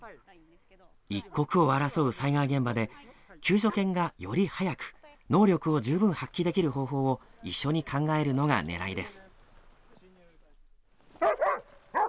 一刻を争う災害現場で救助犬がより早く能力を十分発揮できる方法を一緒に考えるのが狙いです。